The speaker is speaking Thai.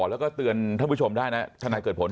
แล้วก็เตือนท่านผู้ชมได้นะทนายเกิดผล